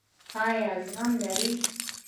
ایا زغم لرئ؟